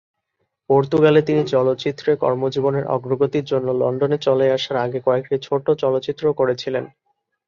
পর্তুগালে, তিনি চলচ্চিত্রে কর্মজীবনের অগ্রগতির জন্য লন্ডনে চলে আসার আগে কয়েকটি ছোট চলচ্চিত্রও করেছিলেন।